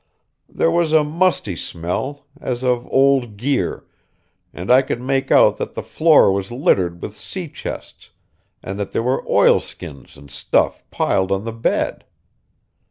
There was a musty smell, as of old gear, and I could make out that the floor was littered with sea chests, and that there were oilskins and stuff piled on the bed.